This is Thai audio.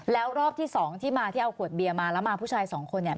แล้วรอบที่สองที่มาที่เอาขวดเบียร์มาแล้วมาผู้ชายสองคนเนี่ย